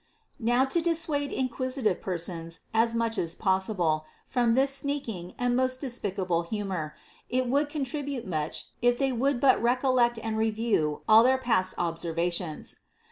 10. Now to dissuade inquisitive persons (as much a» possible) from this sneaking and most despicable humor, it would contribute much, if they would but recollect and review all their past observations.